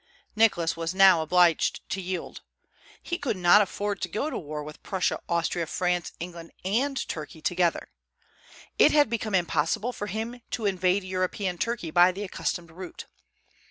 Nicholas was now obliged to yield. He could not afford to go to war with Prussia, Austria, France, England, and Turkey together. It had become impossible for him to invade European Turkey by the accustomed route.